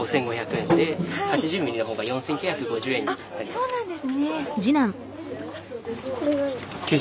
あっそうなんですね。